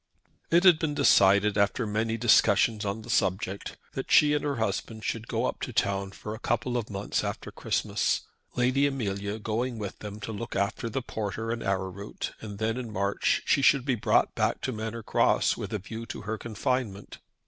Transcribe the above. It had been decided, after many discussions on the subject, that she and her husband should go up to town for a couple of months after Christmas, Lady Amelia going with them to look after the porter and arrowroot, and that in March she should be brought back to Manor Cross with a view to her confinement.